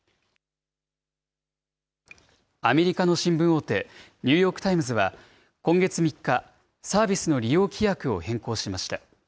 アメリカの新聞大手、ニューヨーク・タイムズは今月３日、サービスの利用規約を変更しました。